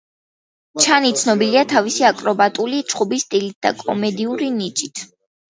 ჩანი ცნობილია თავისი აკრობატული ჩხუბის სტილით და კომედიური ნიჭით.